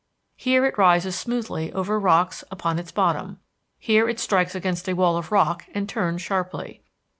Here it rises smoothly over rocks upon its bottom. Here it strikes against a wall of rock and turns sharply.